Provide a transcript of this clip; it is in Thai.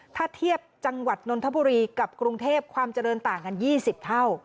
ถ้าเทียบจังหวัดนนทบุรีกับกรุงเทพความเจริญต่างกัน๒๐เท่า